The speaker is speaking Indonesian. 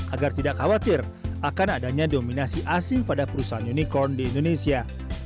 agar tidak khawatir akan adanya dominasi asi pada perusahaan unicorn di indonesia